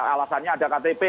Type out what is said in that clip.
alasannya ada ktp